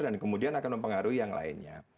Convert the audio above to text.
dan kemudian akan mempengaruhi yang lainnya